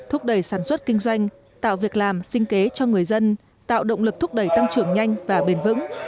thúc đẩy sản xuất kinh doanh tạo việc làm sinh kế cho người dân tạo động lực thúc đẩy tăng trưởng nhanh và bền vững